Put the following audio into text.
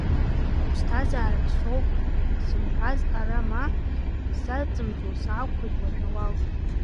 Ԥсҭазаарак соуп сымҳәаз ара ма, сзаҵымҵуа саақәхеит уажә ауал.